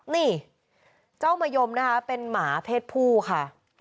นี่เจ้ามะยมนะคะเป็นหมาเพศผู้ค่ะ